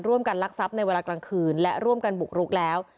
ลักทรัพย์ในเวลากลางคืนและร่วมกันบุกรุกแล้ว